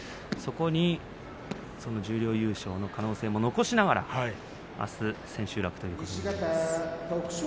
十両優勝の可能性も残しながら、あす千秋楽ということになります。